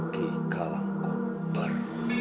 ki kalangku berdua